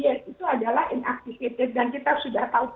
dan kita sudah tahu persis lah begitu